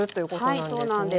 はいそうなんです。